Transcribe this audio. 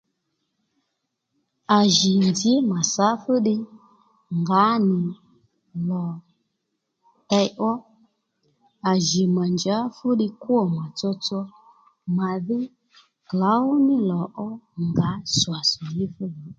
À jì nzǐ mà sǎ fú ddiy ngǎ nì lò tey ó à jì mà njǎ fú ddiy kwô mà tsotso màdhí klǒw ní lò ó ngǎ swà swà ní fú nì